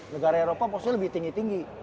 negara eropa pasti lebih tinggi tinggi